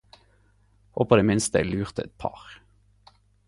Håpar i det minste eg lurte eit par...